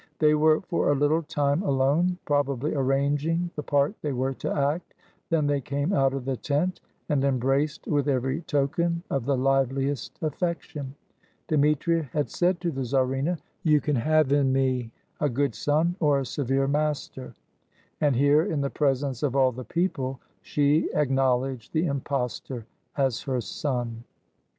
They were for a little time alone, probably arranging the part they were to act; then they came out of the tent, and embraced with every token of the liveliest affection. Dmitri had said to the czarina, "You can have in me a good son or a severe master"; and here, in the presence of all the people, she acknowl edged the impostor as her son.